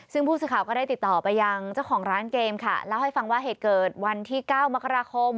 ซึ่งผู้สื่อข่าวก็ได้ติดต่อไปยังเจ้าของร้านเกมค่ะเล่าให้ฟังว่าเหตุเกิดวันที่เก้ามกราคม